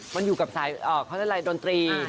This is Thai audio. มันอยู่กับสายเขาเรียกอะไรดนตรี